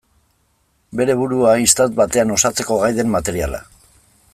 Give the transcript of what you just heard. Bere burua istant batean osatzeko gai den materiala.